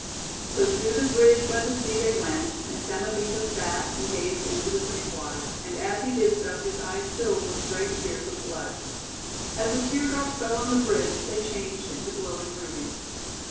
So to the bridge by the sea they went, and Samebito sat and gazed into the green water, and as he did so his eyes filled with great tears of blood. As the teardrops fell on the bridge they changed into glowing Rubies.